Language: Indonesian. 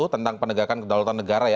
tentang penegakan kedaulatan negara ya